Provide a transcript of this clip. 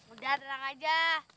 udah tenang aja